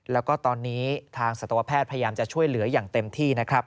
แล้วก็ตอนนี้ทางสัตวแพทย์พยายามจะช่วยเหลืออย่างเต็มที่นะครับ